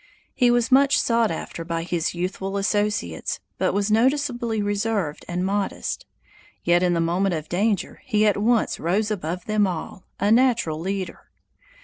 He was much sought after by his youthful associates, but was noticeably reserved and modest; yet in the moment of danger he at once rose above them all a natural leader!